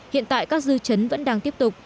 hiện tại các dư chấn vẫn đang tiếp tục